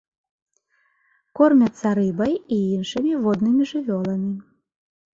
Кормяцца рыбай і іншымі воднымі жывёламі.